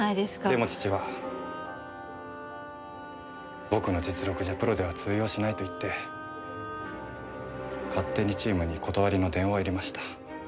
でも父は僕の実力じゃプロでは通用しないと言って勝手にチームに断りの電話を入れました。